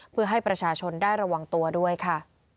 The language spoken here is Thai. เพื่อให้ประชาชนได้ระวังตัวด้วยค่ะ